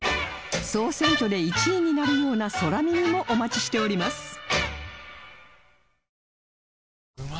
総選挙で１位になるような空耳もお待ちしております